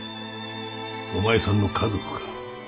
お前さんの家族か。